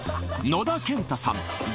野田建太さん